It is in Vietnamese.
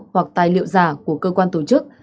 hoặc tài liệu giả của cơ quan tổ chức